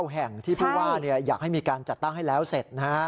แห่งที่ผู้ว่าอยากให้มีการจัดตั้งให้แล้วเสร็จ